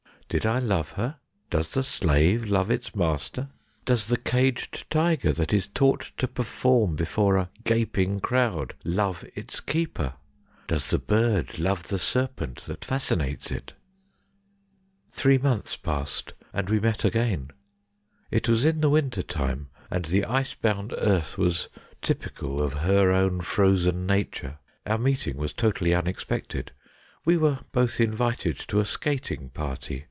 Did I love her ? Does the slave love his master ? Does the caged tiger that is taught to perform before a gaping crowd love its keeper ? Does the bird love the serpent that fascinates it ? Three months passed and we met again. It was in the winter time, and the ice bound earth was typical of her own frozen nature. Our meeting was totally unexpected. We were both invited to a skating party.